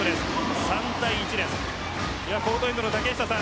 コートエンドの竹下さん